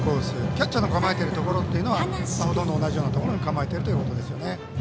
キャッチャーの構えているところはほとんど同じようなところに投げられているということですね。